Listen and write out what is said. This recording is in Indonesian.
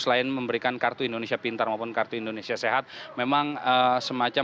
selain memberikan kartu indonesia pintar maupun kartu indonesia sehat memang semacam